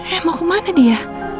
eh mau kemana dia